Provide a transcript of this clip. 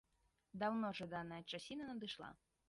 Даўно жаданая часіна надышла.